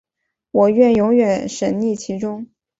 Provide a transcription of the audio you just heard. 我愿永远沈溺其中